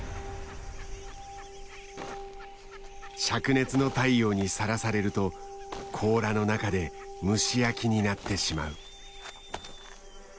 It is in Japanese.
灼熱の太陽にさらされると甲羅の中で蒸し焼きになってしまう。